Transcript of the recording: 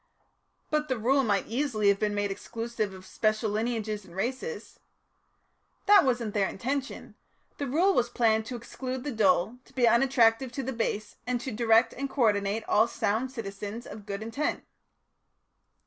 "But the Rule might easily have been made exclusive of special lineages and races." "That wasn't their intention. The Rule was planned to exclude the dull, to be unattractive to the base, and to direct and co ordinate all sound citizens of good intent."